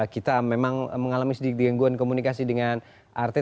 kita memang mengalami sedikit gangguan komunikasi dengan artis